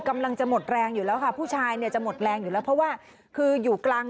กำลังจะหมดแรงอยู่แล้วค่ะ